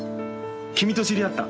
君と知り合った。